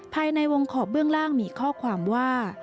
ภายในวงขอบเบื้องล่างมีข้อความว่า